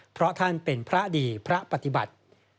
เพราะท่านเป็นพระดีพระปฏิบัติ